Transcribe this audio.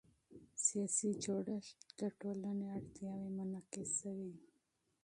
سیاسي جوړښت د ټولنې اړتیاوې منعکسوي